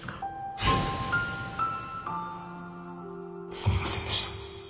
すみませんでした。